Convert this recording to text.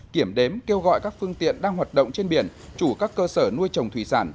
kiểm đếm kêu gọi các phương tiện đang hoạt động trên biển chủ các cơ sở nuôi trồng thủy sản